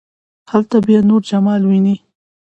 هلته بیا نور جمال ويني.